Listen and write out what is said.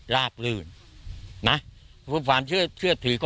ลากลื่นนะความเชื่อเชื่อถือเขา